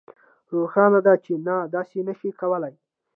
روښانه ده چې نه داسې نشئ کولی